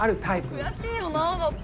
悔しいよなだって。